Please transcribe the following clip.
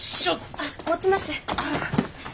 あっ持ちます。